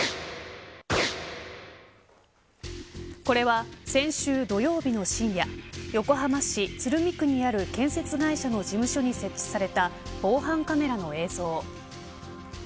これは先週土曜日の深夜横浜市鶴見区にある建設会社の事務所に設置された防犯カメラの映像。